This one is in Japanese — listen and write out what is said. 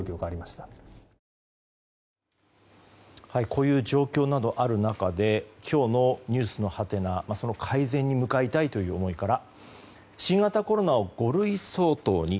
こういう状況などある中で今日のｎｅｗｓのハテナその改善に向かいたい思いから新型コロナを五類相当に。